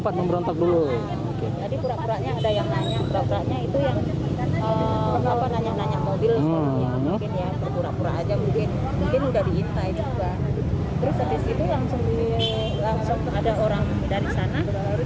terus dari situ langsung ada orang dari sana